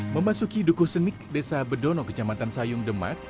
memasuki dukuh senik desa bedono kecamatan sayung demak